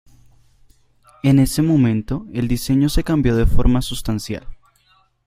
En ese momento el diseño se cambió de forma sustancial.